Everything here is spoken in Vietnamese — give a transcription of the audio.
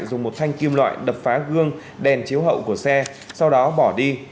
dùng một thanh kim loại đập phá gương đèn chiếu hậu của xe sau đó bỏ đi